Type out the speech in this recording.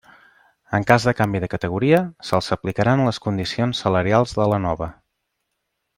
En cas de canvi de categoria, se'ls aplicaran les condicions salarials de la nova.